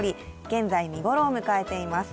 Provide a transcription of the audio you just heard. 現在見頃を迎えています。